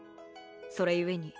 それゆえに